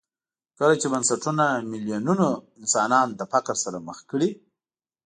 کله چې بنسټونه میلیونونه انسانان له فقر سره مخ کړي.